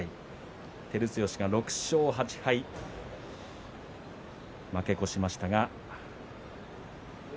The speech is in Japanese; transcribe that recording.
照強６勝８敗負け越しました。